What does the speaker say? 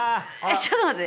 ちょっと待って。